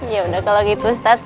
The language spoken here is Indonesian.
ya udah kalau gitu ustadz